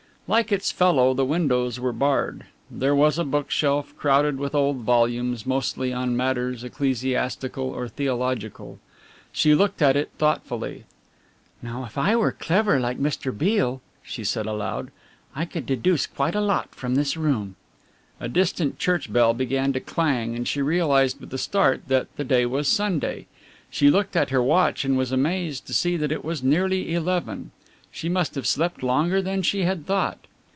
Like its fellow, the windows were barred. There was a bookshelf, crowded with old volumes, mostly on matters ecclesiastical or theological. She looked at it thoughtfully. "Now, if I were clever like Mr. Beale," she said aloud, "I could deduce quite a lot from this room." A distant church bell began to clang and she realized with a start that the day was Sunday. She looked at her watch and was amazed to see it was nearly eleven. She must have slept longer than she had thought.